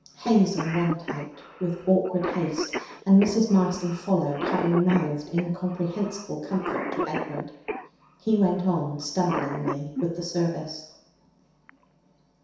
Hazel went out with awkward haste, and Mrs. Marston followed, having mouthed incomprehensible comfort to Edward. He went on stumblingly with the service.